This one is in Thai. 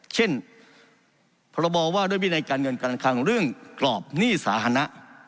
เช่นพรบว่าด้วยวินัยการเงินการคังเรื่องกรอบหนี้สาธารณะ